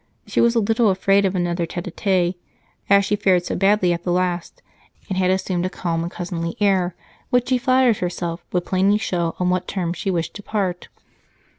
She was a little afraid of another tete a tete, as she fared so badly at the last, and had assumed a calm and cousinly air which she flattered herself would plainly show on what terms she wished to part.